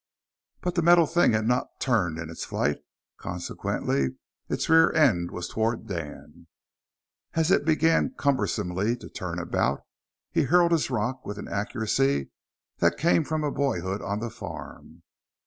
But the metal thing had not turned in its flight: consequently its rear end was toward Dan. As it began cumberously to turn about, he hurled his rock with an accuracy that came of a boyhood on the farm.